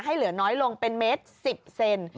ให้เหลือน้อยลงเป็นเมตรสิบเซน